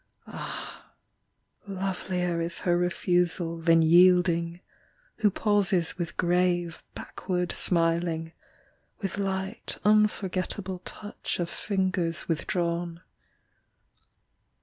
Ah, lovelier Is her refusal than Yielding, who pauses with grave Backward smiling, with light Unforgettable touch of Fingers withdrawn.